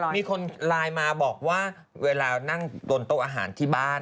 มีคนไลน์มาบอกว่าเวลานั่งบนโต๊ะอาหารที่บ้าน